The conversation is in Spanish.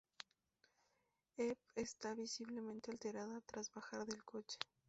Eve estaba visiblemente alterada tras bajar del coche.